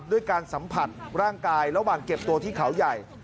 ด้วยการสัมผัสร่างกายระหว่างเก็บตัวที่เขาใหญ่